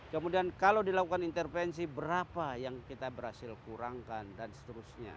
kemudian kalau dilakukan intervensi berapa yang kita berhasil kurangkan dan seterusnya